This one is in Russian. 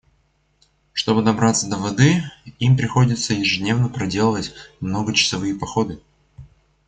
Чтобы добраться до воды, им приходится ежедневно проделывать многочасовые походы.